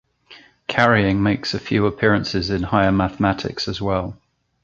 Carrying makes a few appearances in higher mathematics as well.